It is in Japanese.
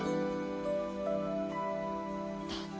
だって。